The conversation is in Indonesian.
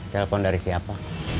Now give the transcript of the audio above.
telepon dari siapa